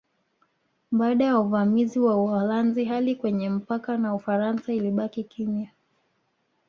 Baada ya uvamizi wa Uholanzi hali kwenye mpaka na Ufaransa ilibaki kimya